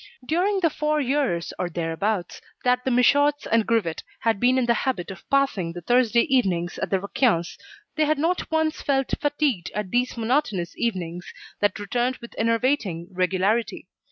During the four years, or thereabouts, that the Michauds and Grivet had been in the habit of passing the Thursday evenings at the Raquins', they had not once felt fatigued at these monotonous evenings that returned with enervating regularity.